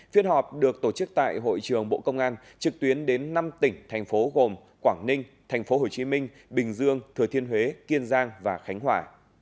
phiên họp được tổ chức tại hội trưởng bộ công an trực tuyến đến năm tỉnh thành phố gồm quảng ninh tp hồ chí minh bình dương thừa thiên huế kiên giang và khánh hòa